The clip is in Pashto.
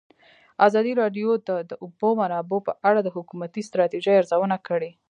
ازادي راډیو د د اوبو منابع په اړه د حکومتي ستراتیژۍ ارزونه کړې.